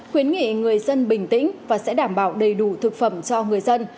khuyến nghị người dân bình tĩnh và sẽ đảm bảo đầy đủ thực phẩm cho người dân